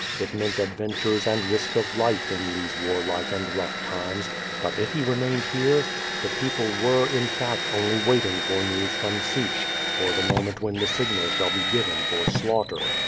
It meant adventures and risk of life in these warlike and rough times; but if he remained here? The peoplq were, in fact, only wait ing for news from Sich, for the moment when the signal shall be given for slaughter.